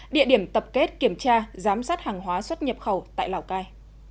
địa điểm tập kết kiểm tra giám sát hàng hóa xuất nhập khẩu tại lào cai